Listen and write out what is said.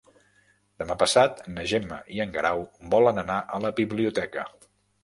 Demà passat na Gemma i en Guerau volen anar a la biblioteca.